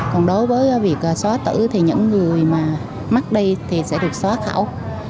còn đối với việc xóa tử thì những người mà mất đi thì sẽ được xóa khảo